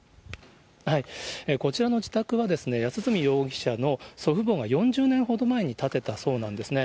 こちらの自宅は、安栖容疑者の祖父母が４０年ほど前に建てたそうなんですね。